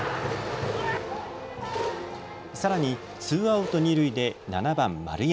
さらにツーアウト二塁で７番・丸山。